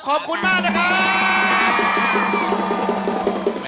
ขอบคุณมากนะครับ